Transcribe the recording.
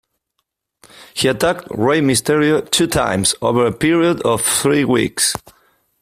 He attacked Rey Mysterio two times over a period of three weeks.